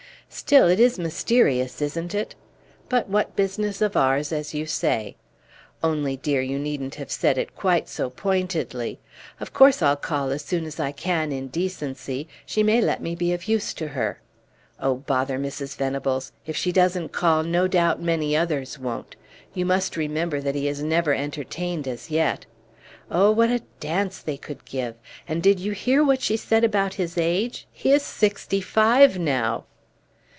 Still, it is mysterious, isn't it? But what business of ours, as you say? Only, dear, you needn't have said it quite so pointedly. Of course I'll call as soon as I can in decency; she may let me be of use to her. Oh, bother Mrs. Venables! If she doesn't call, no doubt many others won't; you must remember that he has never entertained as yet. Oh, what a dance they could give! And did you hear what she said about his age? He is sixty five, now!"